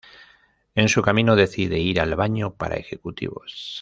En su camino, decide ir al baño para ejecutivos.